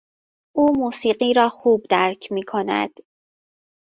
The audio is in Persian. او موسیقی را خوب درک میکند.